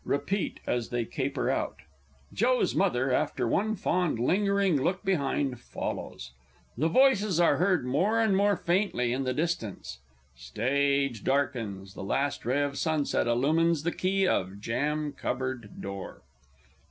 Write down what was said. [Repeat as they caper out. [JOE'S Mother, _after one fond, lingering look behind, follows: the voices are heard more and more faintly in the distance. Stage darkens: the last ray of sunset illumines key of jam cupboard door.